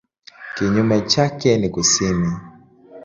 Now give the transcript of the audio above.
Kinyume chake ni kusini.